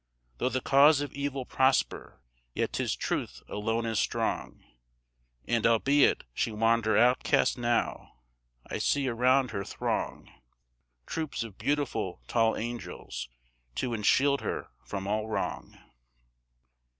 Though the cause of Evil prosper, yet 'tis Truth alone is strong, And, albeit she wander outcast now, I see around her throng Troops of beautiful, tall angels, to enshield her from all wrong.